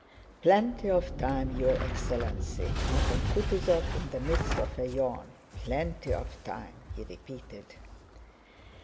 "Plenty of time, your excellency," muttered Kutúzov in the midst of a yawn. "Plenty of time," he repeated.